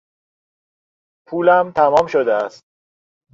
پولم تمام شده است.